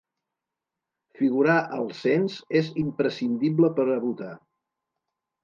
Figurar al cens és imprescindible per a votar.